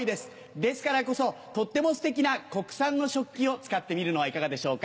ですからこそとってもステキな国産の食器を使ってみるのはいかがでしょうか？